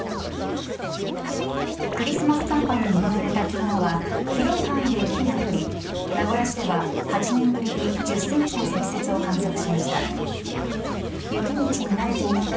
クリスマス寒波に見舞われた昨日は広い範囲で雪が降り名古屋市では８年ぶりに１０センチの積雪を観測しました。